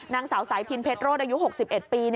นางสาวสายพินเพชรโรศอายุ๖๑ปี